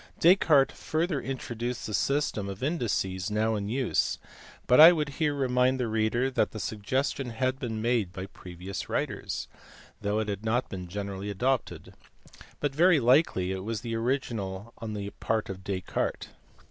Descartes further introduced the system of indices now in use, but I would here remind the reader that the suggestion had been made by previous writers, though it had not been generally adopted; but very likely it was original on the part of Descartes.